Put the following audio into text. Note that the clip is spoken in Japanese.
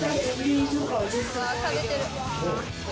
うわあ食べてる。